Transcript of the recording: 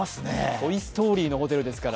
トイ・ストーリーのホテルですから。